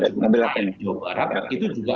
juga berada di jawa barat itu juga